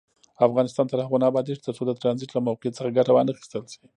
افغانستان تر هغو نه ابادیږي، ترڅو د ټرانزیټ له موقع څخه ګټه وانخیستل شي.